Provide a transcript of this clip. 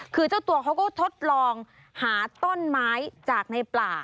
คือเจ้าตัวเขาก็ทดลองหาต้นไม้จากในป่า